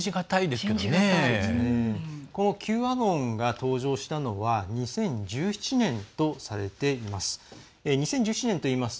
Ｑアノンが登場したのは２０１７年とされています。